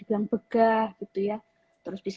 yang begah gitu ya terus bisa